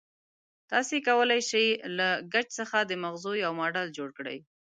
تاسې کولای شئ له ګچ څخه د مغزو یو ماډل جوړ کړئ.